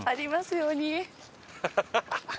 ハハハハ！